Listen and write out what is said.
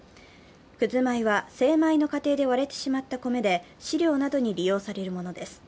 くず米は精米の過程で割れてしまった米で飼料などに利用されるものです。